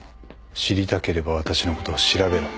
知りたければ私のことを調べろ。